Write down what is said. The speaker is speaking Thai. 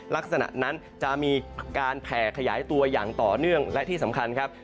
ลักษณะนั้นจะมีการแผ่ขยายตัวอย่างต่อเนื่องและที่สำคัญครับ